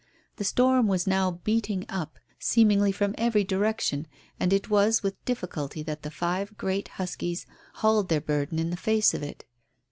The storm was now beating up, seemingly from every direction, and it was with difficulty that the five great huskies hauled their burden in the face of it.